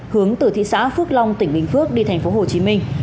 hướng từ thị xã phước long tỉnh bình phước đi thành phố hồ chí minh